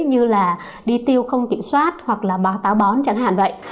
như là đi tiêu không kiểm soát hoặc là bỏ táo bón chẳng hạn vậy